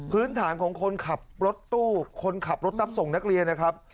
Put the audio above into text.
พื้นฐานของคนขับรถตู้คนขับรถรับส่งนักเรียนนะครับ